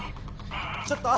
ちょっと！